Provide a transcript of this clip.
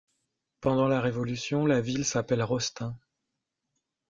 Pendant la Révolution, la ville s'appelle Rostaing.